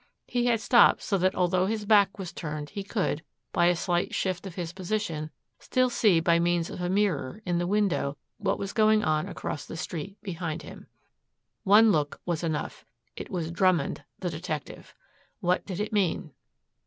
He had stopped so that although his back was turned he could, by a slight shift of his position, still see by means of a mirror in the window what was going on across the street behind him. One look was enough. It was Drummond, the detective. What did it mean?